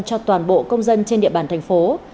cho toàn bộ công dân trên địa bàn thành phố